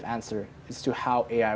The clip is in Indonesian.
tentang bagaimana ai